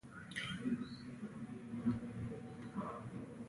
ورور سره د غم خبرې شريکېږي.